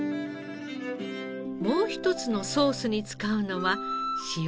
もう一つのソースに使うのは塩引き鮭。